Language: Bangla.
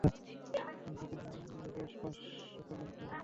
আমি তাদের গ্যাস ফাঁস সম্পর্কে সতর্ক করেছিলাম।